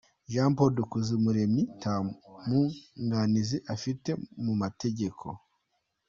Jean Paul Dukuzumuremyi nta mwunganizi afite mu mategeko.